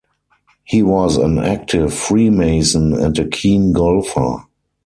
He was an active freemason and a keen golfer.